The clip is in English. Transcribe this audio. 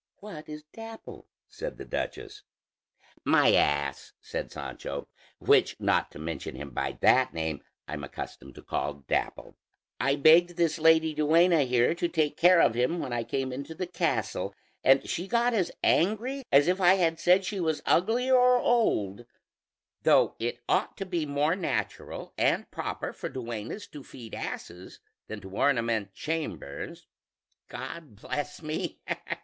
"What is Dapple?" said the duchess. "My ass," said Sancho, "which, not to mention him by that name, I'm accustomed to call Dapple; I begged this lady duenna here to take care of him when I came into the castle, and she got as angry as if I had said she was ugly or old, though it ought to be more natural and proper for duennas to feed asses than to ornament chambers. God bless me!